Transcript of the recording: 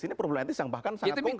ini problem etis yang bahkan sangat konkre